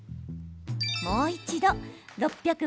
もう一度６００